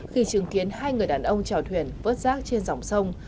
khi chứng kiến hai người đàn ông trò thuyền vớt rác trên dòng sông